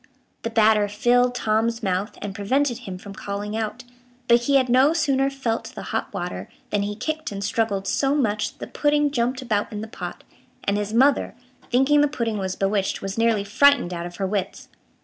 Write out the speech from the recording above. The batter filled Tom's mouth, and prevented him from calling out, but he had no sooner felt the hot water, than he kicked and struggled so much that the pudding jumped about in the pot, and his mother, thinking the pudding was bewitched, was nearly frightened out of her wits.